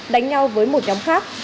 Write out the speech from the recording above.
đánh nhau với một nhóm khác